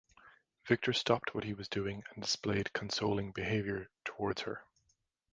Victor stopped what he was doing and displayed consoling behavior towards her.